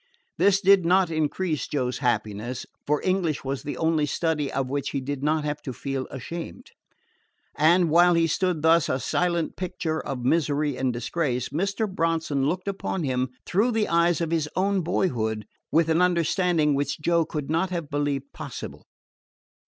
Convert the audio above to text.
This did not increase Joe's happiness, for English was the only study of which he did not have to feel ashamed. And, while he stood thus a silent picture of misery and disgrace, Mr. Bronson looked upon him through the eyes of his own boyhood with an understanding which Joe could not have believed possible.